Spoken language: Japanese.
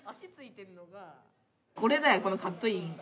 これだよこのカットイン。